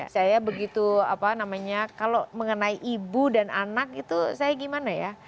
saya begitu apa namanya kalau mengenai ibu dan anak itu saya gimana ya